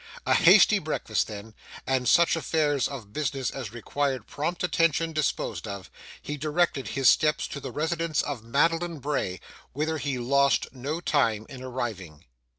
A hasty breakfast taken, and such affairs of business as required prompt attention disposed of, he directed his steps to the residence of Madeline Bray: whither he lost no time in arriving.